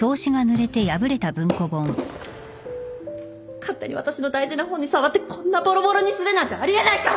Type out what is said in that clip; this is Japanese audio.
勝手に私の大事な本に触ってこんなぼろぼろにするなんてあり得ないから！